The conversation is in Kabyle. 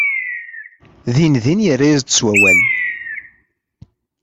Din din yerra-as-d s wawal.